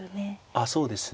あそうですね。